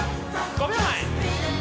５秒前。